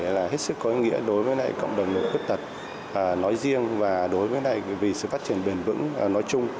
là hết sức có nghĩa đối với cộng đồng người khuyết tật nói riêng và đối với sự phát triển bền vững nói chung